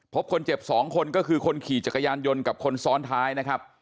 พบคนเจ็บ๒คนก็คือคนขี่จักรยานยนต์กับคนซ้อนท้ายนะครับ